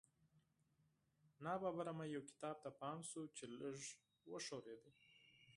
ناڅاپه مې یو کتاب ته پام شو چې لږ وښورېد